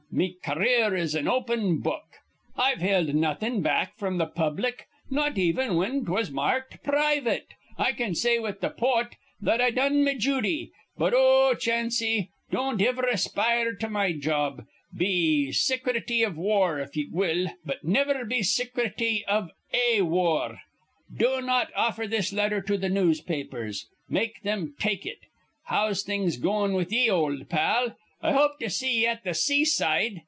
Me car eer is an open book. I've held nawthin' back fr'm th' public, not even whin 'twas mar rked private. I can say with th' pote that I done me jooty. But, oh, Chanse! don't iver aspire to my job. Be sicrety of war, if ye will; but niver be sicrety iv A war. Do not offer this letter to th' newspapers. Make thim take it. How's things goin' with ye, ol' pal? I hope to see ye at th' seaside.